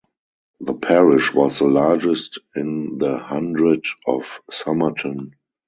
The parish was the largest in the Hundred of Somerton.